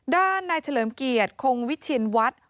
ด้านในเฉลิมเกียรติคงวิชินวัตร